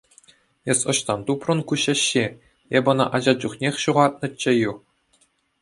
Эс ӑҫтан тупрӑн ку ҫӗҫҫе, эп ӑна ача чухнех ҫухатнӑччӗю.